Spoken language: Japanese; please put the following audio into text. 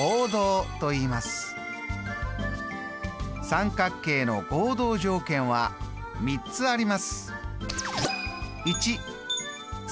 三角形の合同条件は３つあります。